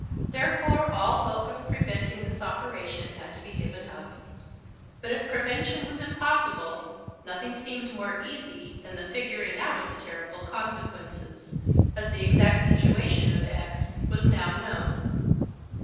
Therefore all hope of preventing this operation had to be given up. But if prevention was impossible nothing seemed more easy than the figuring out of the terrible consequences, as the exact situation of "x" was now known.